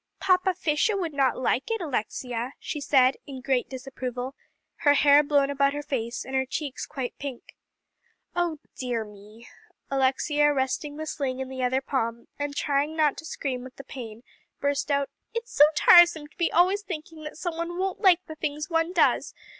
"Papa Fisher would not like it, Alexia," she said in great disapproval, her hair blown about her face, and her cheeks quite pink. "Oh dear me!" Alexia, resting the sling in the other palm, and trying not to scream with the pain, burst out, "It's so tiresome to be always thinking that some one won't like things one does.